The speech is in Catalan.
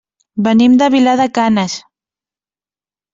Venim de Vilar de Canes.